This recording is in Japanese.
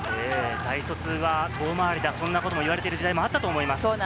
大卒は遠回りだ、そんなことも言われている時代もあったと思います。